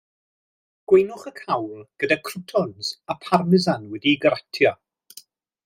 Gweinwch y cawl gyda croûtons a Parmesan wedi'i gratio.